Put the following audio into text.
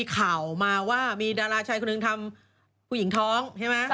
นมีค่าวว่ามีดราชายคนหนึ่งทำผู้หญิงท้อง